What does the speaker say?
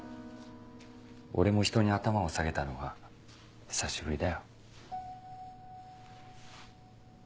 俺もひとに頭を下げたのは久しぶりだよ。